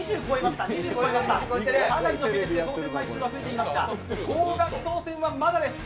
かなりのペースで当選枚数は増えていますが、高額当選はまだです。